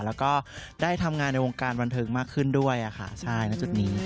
แล้วก็ได้ทำงานในวงการบันเทิงมากขึ้นด้วยค่ะใช่ณจุดนี้